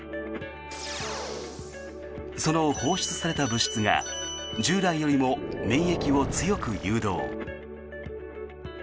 その放出された物質が従来よりも免疫を強く誘導。